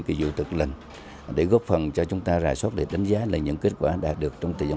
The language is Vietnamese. kỳ dụ tự lệnh để góp phần cho chúng ta rài soát để đánh giá những kết quả đạt được trong thời gian